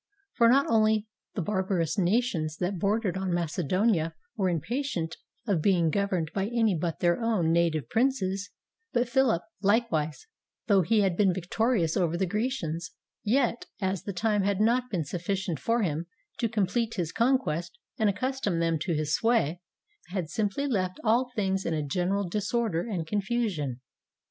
For not only the barbarous nations that bordered on Mace donia were impatient of being governed by any but their own native princes; but Philip likewise, though he had been victorious over the Grecians, yet, as the time had not been sufficient for him to complete his con quest and accustom them to his sway, had simply left all things in a general disorder and confusion.